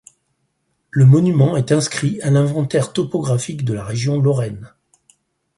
Le monument est inscrit à l'Inventaire topographique de la région Lorraine.